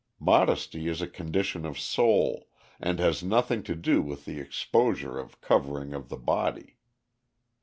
Modesty is a condition of soul, and has nothing to do with the exposure or covering of the body.